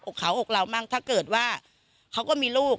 เขาอกเรามั่งถ้าเกิดว่าเขาก็มีลูก